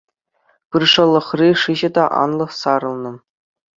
Пыршӑлӑхри шыҫӑ та анлӑ сарӑлнӑ.